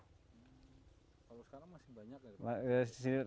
kalau sekarang masih banyak ya pak